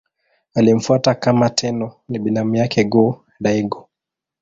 Aliyemfuata kama Tenno ni binamu yake Go-Daigo.